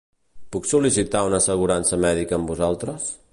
Puc sol·licitar una assegurança mèdica amb vosaltres?